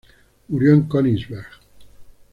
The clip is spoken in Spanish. Murió en Königsberg.